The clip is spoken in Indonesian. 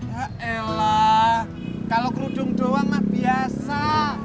ya elah kalau kerudung doang mak biasa